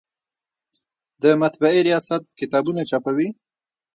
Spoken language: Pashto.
د مطبعې ریاست کتابونه چاپوي؟